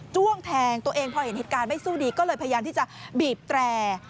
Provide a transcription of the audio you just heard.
้วงแทงตัวเองพอเห็นเหตุการณ์ไม่สู้ดีก็เลยพยายามที่จะบีบแตร่